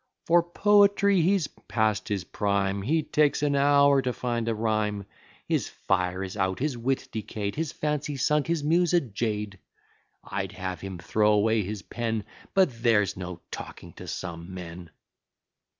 "For poetry he's past his prime: He takes an hour to find a rhyme; His fire is out, his wit decay'd, His fancy sunk, his Muse a jade. I'd have him throw away his pen; But there's no talking to some men!"